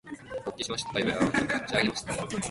仕上げました